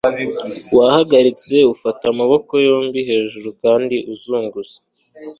wahagaritse ufata amaboko yombi hejuru kandi uzunguza